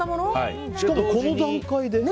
しかもこの段階で。